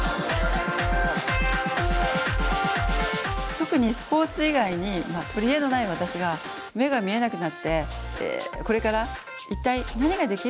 特にスポーツ以外に取り柄のない私が目が見えなくなってこれから一体何ができるんだろう。